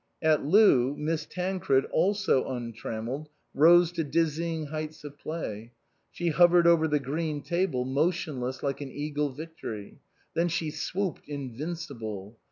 At loo Miss Tancred, also untrammelled, rose to dizzying heights of play. She hovered over the green table, motionless like an eagle victory. Then she swooped, invincible.